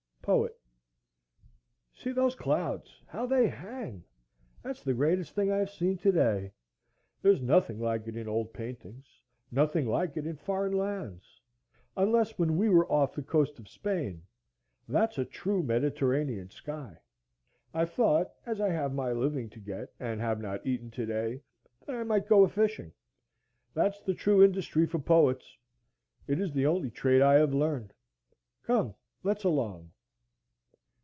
Poet. See those clouds; how they hang! That's the greatest thing I have seen to day. There's nothing like it in old paintings, nothing like it in foreign lands,—unless when we were off the coast of Spain. That's a true Mediterranean sky. I thought, as I have my living to get, and have not eaten to day, that I might go a fishing. That's the true industry for poets. It is the only trade I have learned. Come, let's along.